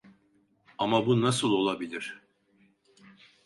Ama bu nasıl olabilir?